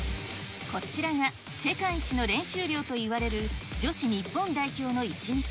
こちらが世界一の練習量といわれる女子日本代表の一日。